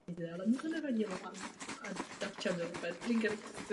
V červnu byl přeložen k letectvu.